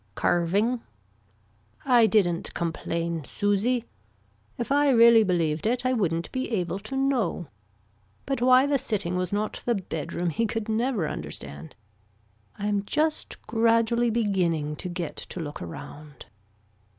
Carving. I didn't complain Susie. If I really believed it I wouldn't be able to know. But why the sitting was not the bed room he could never understand. I am just gradually beginning to get to look around.